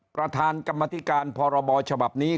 ประธานกรรมธิการพรบฉบับนี้